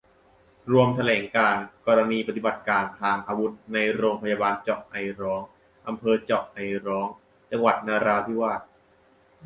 รวมแถลงการณ์ กรณีปฏิบัติการทางอาวุธในโรงพยาบาลเจาะไอร้อง อำเภอเจาะไอร้อง จังหวัดนราธิวาส